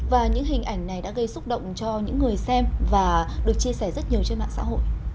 và những hình ảnh này đã gây xúc động cho những người xem và được chia sẻ rất nhiều trên mạng xã hội